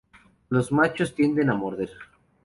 Los machos tienden a morder.